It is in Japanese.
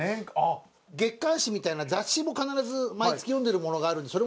月刊誌みたいな雑誌も必ず毎月読んでるものがあるんでそれも入れてます